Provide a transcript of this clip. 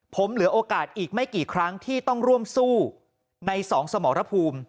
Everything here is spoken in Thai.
ผมเหลือโอกาสอีกไม่กี่ครั้งที่ต้องร่วมสู้ในสองสมรภูมิ